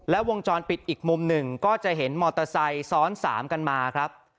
และวงจรปิดอีกมุมหนึ่งก็จะเห็นมอเตอร์ไซค์ซ้อน๓กันมาครับ